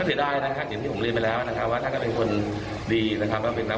เพียงแต่ว่าก็เรียนว่า